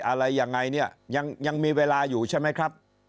อะไรยังไงเนี่ยยังมีเวลาอยู่ใช่ไหมครับ